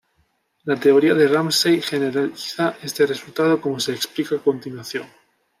La teoría de Ramsey generaliza este resultado, como se explica a continuación.